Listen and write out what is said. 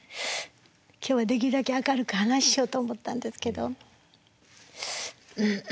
今日はできるだけ明るく話しようと思ったんですけど。